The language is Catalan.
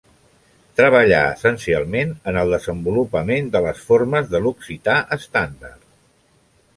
Treballà essencialment en el desenvolupament de les formes de l'occità estàndard.